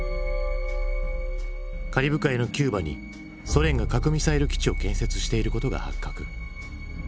カリブ海のキューバにソ連が核ミサイル基地を建設していることが発覚。